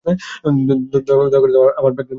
দয়া করে, আমার ব্যাকগ্রাউন্ড যাচাই করুন, স্যার।